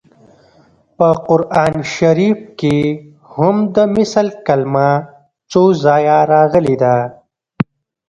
په قران شریف کې هم د مثل کلمه څو ځایه راغلې ده